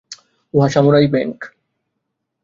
ওটা samurai Hank!